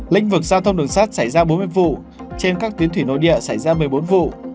lĩnh vực giao thông đường sắt xảy ra bốn mươi vụ trên các tuyến thủy nội địa xảy ra một mươi bốn vụ